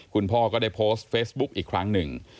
คุณพ่อก็ได้โพสต์เฟซบุ๊กอีกครั้งหนึ่ง